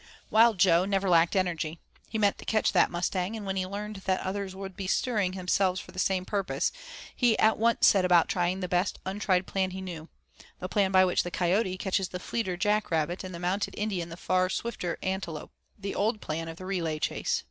V Wild Jo never lacked energy. He meant to catch that Mustang, and when he learned that others were bestirring themselves for the same purpose he at once set about trying the best untried plan he knew the plan by which the coyote catches the fleeter jackrabbit, and the mounted Indian the far swifter antelope the old plan of the relay chase.